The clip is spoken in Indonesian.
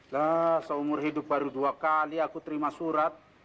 lah seumur hidup baru dua kali aku terima surat